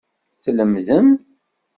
Tlemdem.